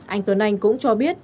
anh tuấn anh cũng cho biết